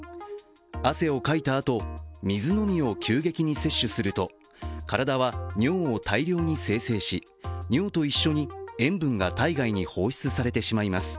汗をかいたあと、水のみを急激に摂取すると体は尿を大量に生成し尿と一緒に塩分が体外に放出されてしまいます。